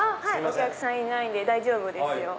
はいお客さんいないんで大丈夫ですよ。